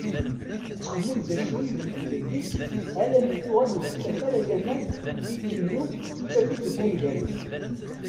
Tettxemmim d acu i ibeddlen deg-s alammi tuɣal ur tettaf ara laman i tennum tettaf-it deg ungalen.